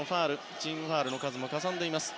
チームファウルの数もかさんでいます。